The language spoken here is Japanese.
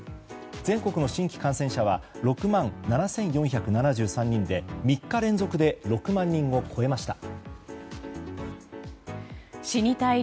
全国の新規感染者数は６万７４７３人で３日連続で６万人を超えました。